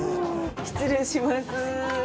失礼します。